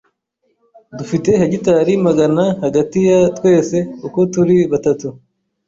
Dufite hegitari magana hagati ya twese uko turi batatu.